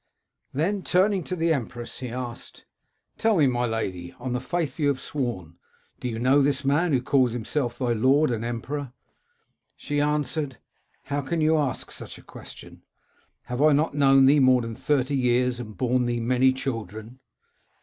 "Then, turning to the empress, he asked, *Tell me, my lady, on the faith you have sworn, do you know this man who calls himself thy lord and emperor ?'" She answered, * How can you ask such a question ? Have I not known thee more than thirty years, and borne thee many children